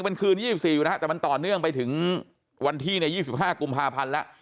เป็นคืน๒๔นาทีมันต่อเนื่องไปถึงวันที่ใน๒๕กุมภาพันธุ์แล้ว